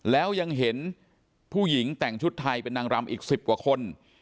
แล้วยังเห็นผู้หญิงแต่งชุดไทยเป็นนางรำอีก๑๐กว่าคน